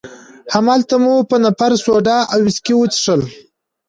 هماغلته مو په نفر سوډا او ویسکي وڅښل.